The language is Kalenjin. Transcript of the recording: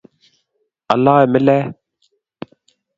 aloe milet